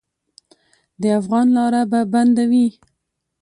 د افغان لاره به بندوي.